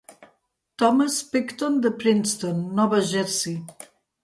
Thomas Picton de Princeton, Nova Jersey.